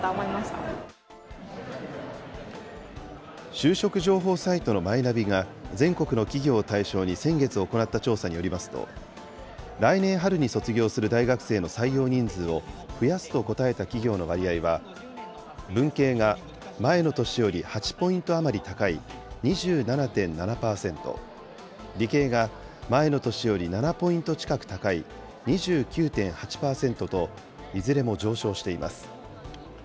就職情報サイトのマイナビが、全国の企業を対象に先月行った調査によりますと、来年春に卒業する大学生の採用人数を、増やすと答えた企業の割合は、文系が前の年より８ポイント余り高い２７．７％、理系が前の年より７ポイント近く高い２９．８％と、いずれも上昇しています。